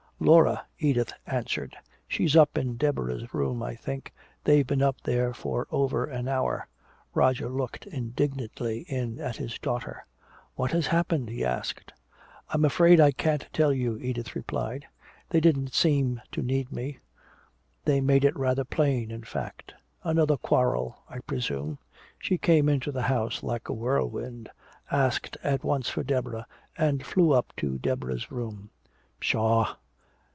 "Laura," Edith answered. "She's up in Deborah's room, I think they've been up there for over an hour." Roger looked indignantly in at his daughter. "What has happened?" he asked. "I'm afraid I can't tell you," Edith replied. "They didn't seem to need me. They made it rather plain, in fact. Another quarrel, I presume. She came into the house like a whirlwind, asked at once for Deborah and flew up to Deborah's room." "Pshaw!"